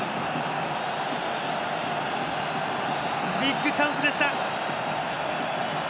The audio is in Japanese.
ビッグチャンスでした。